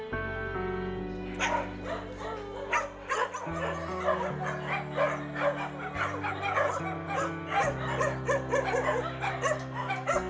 jadi kita harus melakukan sesuatu yang lebih penting